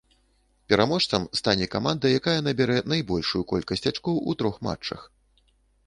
Пераможцам стане каманда, якая набярэ найбольшую колькасць ачкоў у трох матчах.